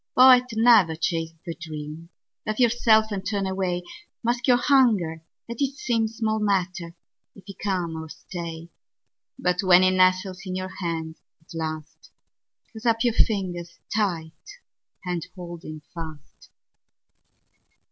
Poet, never chase the dream. Laugh yourself, and turn away. Mask your hunger; let it seemSmall matter if he come or stay; But when he nestles in your hand at last, Close up your fingers tight and hold him fast.